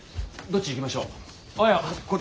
どっち行きましょう？